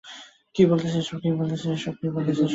কি বলতেছো এসব।